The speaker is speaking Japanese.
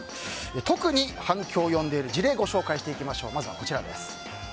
特に反響を呼んでいる事例をご紹介していきましょう。